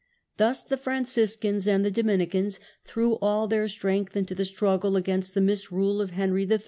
Thus the Franciscans and the Dominicans threw all their strength into the struggle against the misrule of Henry III.